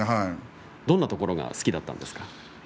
どんなところが好きだったんですか。